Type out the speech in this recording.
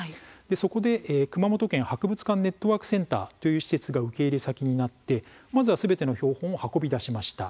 そこで、熊本県博物館ネットワークセンターという施設が受け入れ先になってまずはすべての標本をそこに運び出しました。